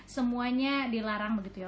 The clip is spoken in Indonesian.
semuanya dilarang begitu ya